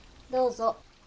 どうぞ。